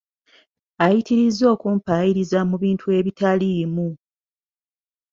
Ayitiriza okumpaayiriza mu bintu ebitaliimu.